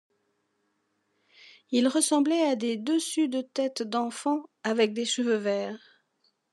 Ils ressemblaient à des dessus de têtes d’enfants avec des cheveux verts.